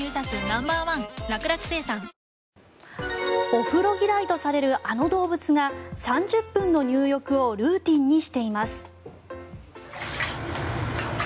お風呂嫌いとされるあの動物が３０分の入浴をルーチンにしています。